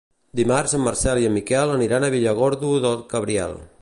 Dimarts en Marcel i en Miquel aniran a Villargordo del Cabriel.